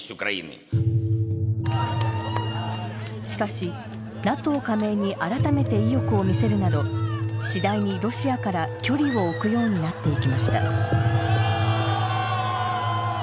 しかし、ＮＡＴＯ加盟に改めて意欲を見せるなど、次第にロシアから距離を置くようになっていきました。